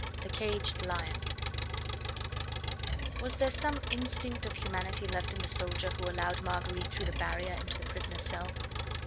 THE CAGED LION Was there some instinct of humanity left in the soldier who allowed Marguerite through the barrier into the prisoner's cell?